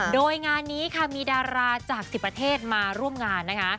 โดยงานนี้ค่ะมีดาราจาก๑๐ประเทศมาร่วมงานนะคะ